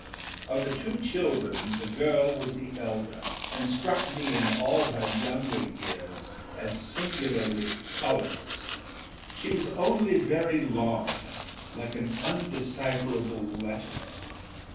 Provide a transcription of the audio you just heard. Of the two children the girl was the elder, and struck me in all her younger years as singularly colourless. She was only very long, like an undecipherable letter.